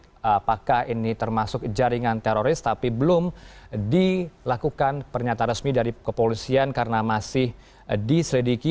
dan bisa saya review juga sedikit apakah ini termasuk jaringan teroris tapi belum dilakukan pernyataan resmi dari kepolisian karena masih diselidiki